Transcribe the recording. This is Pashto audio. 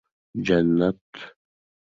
جنت